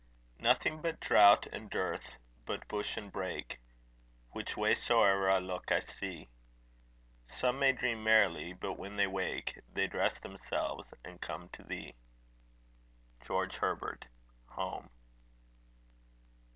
Nothing but drought and dearth, but bush and brake, Which way soe'er I look, I see. Some may dream merrily, but when they wake, They dress themselves, and come to thee. GEORGE HERBERT. Home.